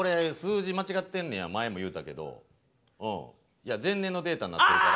いや前年のデータなってるから。